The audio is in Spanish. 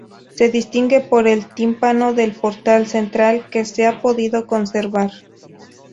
Se distingue por el tímpano del portal central, que se ha podido conservar.